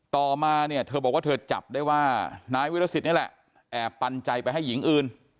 ต่อมาเนี่ยเธอบอกว่าเธอจับได้ว่านายวิรสิตนี่แหละแอบปันใจไปให้หญิงอื่น